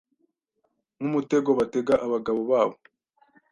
nk’umutego batega abagabo babo